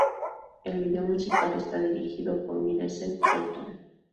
El vídeo musical está dirigido por Millicent Shelton.